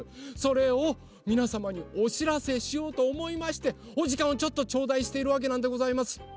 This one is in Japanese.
それをみなさまにおしらせしようとおもいましておじかんをちょっとちょうだいしているわけなんでございます。